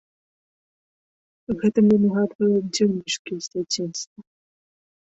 Гэта мне нагадвае дзённічкі з дзяцінства.